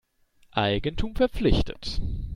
Eigentum verpflichtet.